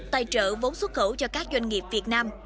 tài trợ vốn xuất khẩu cho các doanh nghiệp việt nam